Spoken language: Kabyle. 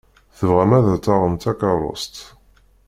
Tebɣam ad d-taɣem takeṛṛust.